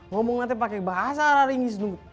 ngomongnya pakai bahasa orang indonesia